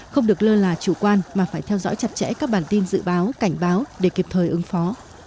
không được lơ là chủ quan mà phải theo dõi chặt chẽ các bản tin dự báo cảnh báo để kịp thời ứng phó